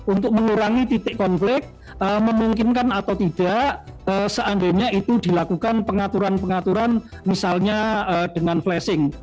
untuk mengurangi titik konflik memungkinkan atau tidak seandainya itu dilakukan pengaturan pengaturan misalnya dengan flashing